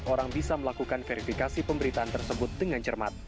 orang bisa melakukan verifikasi pemberitaan tersebut dengan cermat